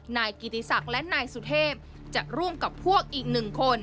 นายกิติศักดิ์และนายสุเทพจะร่วมกับพวกอีกหนึ่งคน